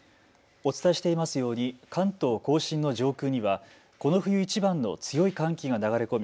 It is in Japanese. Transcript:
お伝えしていますように関東甲信の上空にはこの冬いちばんの強い寒気が流れ込み